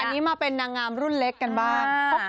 อันนี้มาเป็นนางงามรุ่นเล็กกันบ้าง